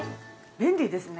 便利ですね。